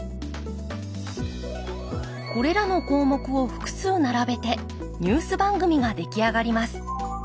これらの項目を複数並べてニュース番組が出来上がります。